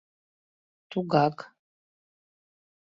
Тугак.